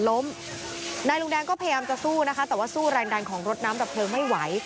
ล้มนายลุงแดงก็พยายามจะสู้นะคะแต่ว่าสู้แรงดันของรถน้ำดับเพลิงไม่ไหว